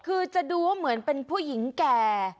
คือจะดูว่าเหมือนเป็นผู้หญิงแก่